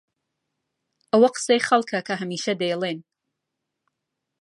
ئەوە قسەی خەڵکە کە هەمیشە دەیڵێن.